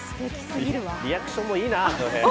リアクションもいいな。